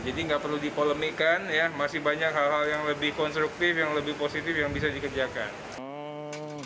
jadi nggak perlu dipolemikan masih banyak hal hal yang lebih konstruktif yang lebih positif yang bisa dikerjakan